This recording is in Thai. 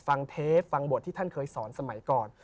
เทปฟังบทที่ท่านเคยสอนสมัยก่อน